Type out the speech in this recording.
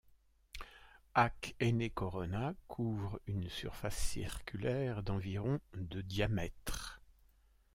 Ak Ene Corona couvre une surface circulaire d'environ de diamètre.